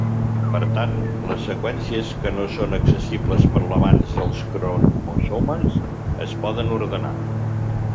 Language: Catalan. Per tant, les seqüències que no són accessibles per l'avanç dels cromosomes es poden ordenar.